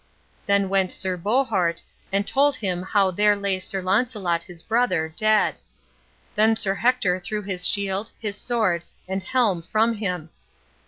Then went Sir Bohort, and told him how there lay Sir Launcelot, his brother, dead. Then Sir Hector threw his shield, his sword, and helm from him.